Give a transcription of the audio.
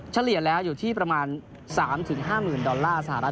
เฉลี่ยแล้วอยู่ที่ประมาณ๓๕๐๐๐ดอลลาร์สหรัฐ